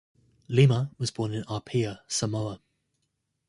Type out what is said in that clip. Lima was born in Apia, Samoa.